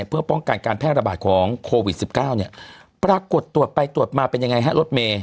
เพื่อป้องกันการแพร่ระบาดของโควิดสิบเก้าเนี่ยปรากฏตรวจไปตรวจมาเป็นยังไงฮะรถเมย